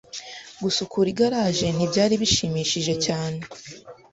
Gusukura igaraje ntibyari bishimishije cyane.